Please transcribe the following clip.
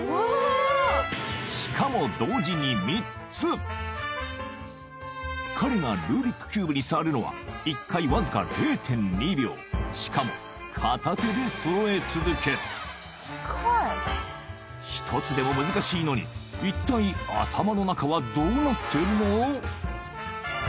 しかも彼がルービックキューブに触るのは１回わずか０．２秒しかも片手で揃え続ける１つでも難しいのに一体頭の中はどうなっているの？